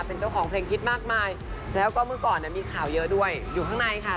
เป็นเจ้าของเพลงฮิตมากมายแล้วก็เมื่อก่อนเนี่ยมีข่าวเยอะด้วยอยู่ข้างในค่ะ